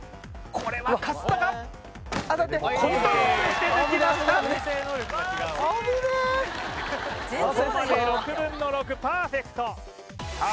ここまで６分の６パーフェクトさあ